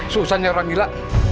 susah nyora gila